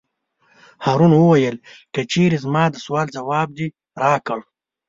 هارون وویل: که چېرې زما د سوال ځواب دې راکړ.